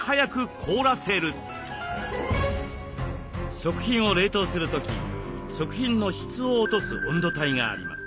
食品を冷凍する時食品の質を落とす温度帯があります。